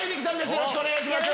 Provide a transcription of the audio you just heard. よろしくお願いします。